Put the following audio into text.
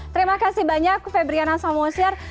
terima kasih banyak febriana samosir